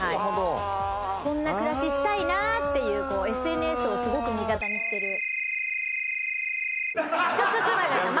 こんな暮らししたいなっていうＳＮＳをすごく味方にしてるちょっと待ってください